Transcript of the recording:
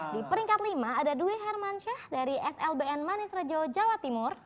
di peringkat lima ada dwi hermansyah dari slbn manis rejo jawa timur